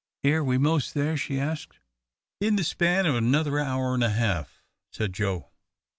"Air we mos' there?" she asked. "In the span of another hour and a half," said Joe.